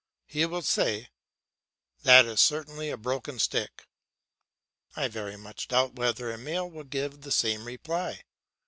He will say, "That is certainly a broken stick." I very much doubt whether Emile will give the same reply.